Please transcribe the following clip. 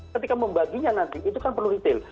ketika membaginya nanti itu kan perlu retail